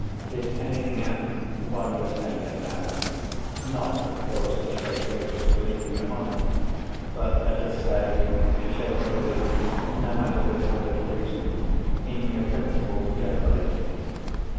Did anything happen while you were staying at the house—not, of course, to shake Rachel's belief in your honour—but, let us say, to shake her belief (no matter with how little reason) in your principles generally?"